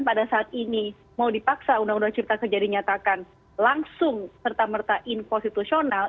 pada saat ini mau dipaksa uu ck jadi nyatakan langsung serta merta inkonstitusional